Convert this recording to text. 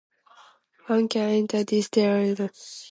One can enter this territory only accompanied by a park employee.